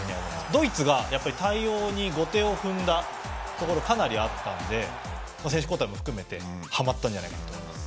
ドイツが対応に後手を踏んだところがかなりあったので選手交代も含めてはまったんじゃないかと思います。